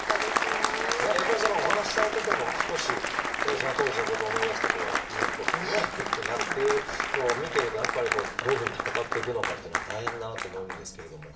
やっぱりお話しされてても少しその当時のことを思い出すと胸にこうねグッとなるっていうのを見てるとやっぱりどういうふうに闘っていくのかっていうのは大変だなって思うんですけれども。